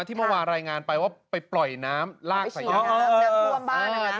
ที่เมื่อวานรายงานไปว่าไปปล่อยน้ำลากสายยาง